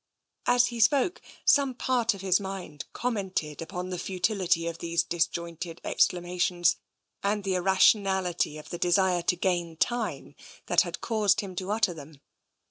" As he spoke, some part of his mind commented upon the futility of these dis jointed exclamations, and the irrationality of the desire to gain time that had caused him to utter them.